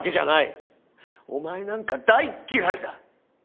お前なんか大っ嫌いだ！